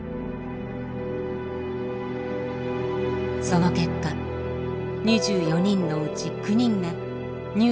その結果２４人のうち９人が乳がんを発症。